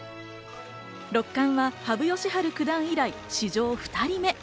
六冠は羽生善治九段以来、史上２人目。